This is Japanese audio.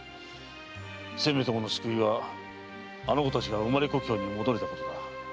せめてもの救いはあの娘たちが生まれ故郷に戻れたことだ。